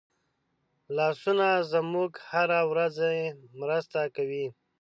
لاسونه زموږ هره ورځي مرسته کوي